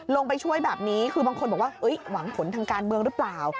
ลงไปช่วยแบบนี้คือบางคนบอกว่าหวังผลทางการเมืองหรือเปล่า